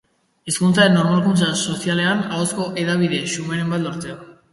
Hizkuntzaren normalkuntza sozialean, ahozko hedabide xumeren bat lortzea.